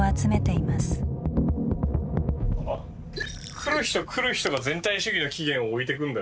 来る人来る人が「全体主義の起源」を置いてくんだよね